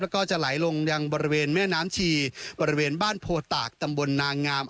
แล้วก็จะไหลลงยังบริเวณแม่น้ำชีบริเวณบ้านโพตากตำบลนางงาม